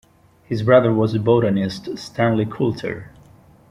His brother was the botanist Stanley Coulter.